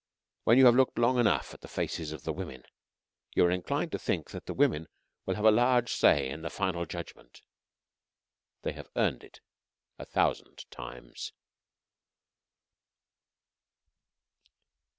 When you have looked long enough at the faces of the women, you are inclined to think that the women will have a large say in the final judgment. They have earned it a thousand times.